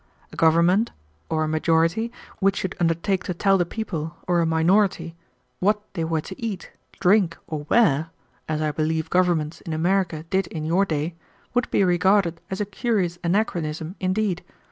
A government, or a majority, which should undertake to tell the people, or a minority, what they were to eat, drink, or wear, as I believe governments in America did in your day, would be regarded as a curious anachronism indeed.